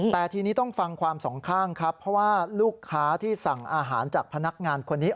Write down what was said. แต่ทีนี้ต้องฟังความสองข้างครับเพราะว่าลูกค้าที่สั่งอาหารจากพนักงานคนนี้